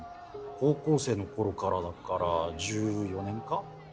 高校生のころからだから１４年か？